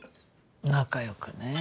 仲良くねぇ。